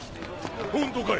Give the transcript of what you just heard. ホントかよ